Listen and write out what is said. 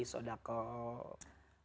untuk menjadi orang yang ahli sodakal